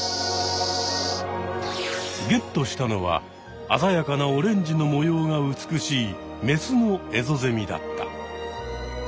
ゲットしたのはあざやかなオレンジの模様が美しいメスのエゾゼミだった。